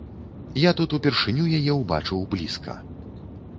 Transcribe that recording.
Я тут упершыню яе ўбачыў блізка.